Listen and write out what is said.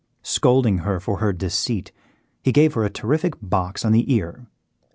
Scolding her for her deceit, he gave her a terrific box on the ear.